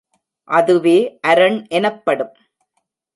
அதுவே அரண் எனப்படும்.